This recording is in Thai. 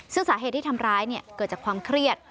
ซึ่งสาเหตุที่ทำร้ายเกิดจากความเครียด